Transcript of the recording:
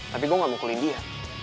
tapi gue gak mukulin dia